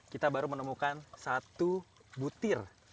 kita baru menemukan satu butir